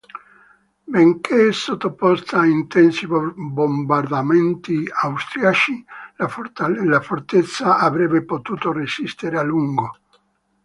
Benché sottoposta a intensi bombardamenti austriaci la fortezza avrebbe potuto resistere a lungo.